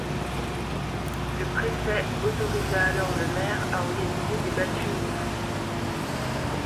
Le préfet autorisa alors le maire à organiser des battues aux loups.